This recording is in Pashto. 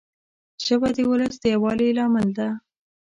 ژبه د ولس د یووالي لامل ده